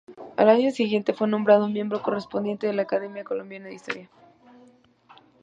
Al año siguiente, fue nombrado Miembro Correspondiente de la Academia Colombiana de Historia.